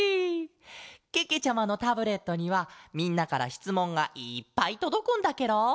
けけちゃまのタブレットにはみんなからしつもんがいっぱいとどくんだケロ！